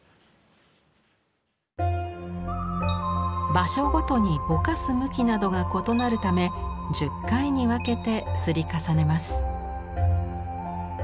場所ごとにぼかす向きなどが異なるため１０回に分けて摺り重ねます。